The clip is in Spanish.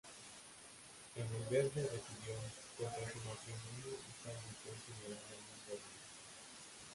En El Verde residió, contrajo matrimonio y falleció el general Domingo Rubí.